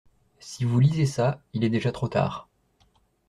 Si vous lisez ça, il est déjà trop tard.